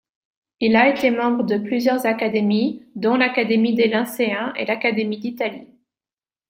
Il a été membre de plusieurs académies dont l'Académie des Lyncéens et l'Académie d'Italie.